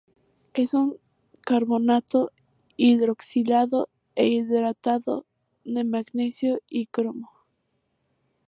Es un carbonato hidroxilado e hidratado de magnesio y cromo.